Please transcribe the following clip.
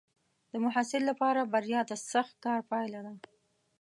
د محصل لپاره بریا د سخت کار پایله ده.